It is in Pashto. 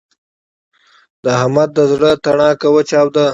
د احمد د زړه تڼاکه وچاوده.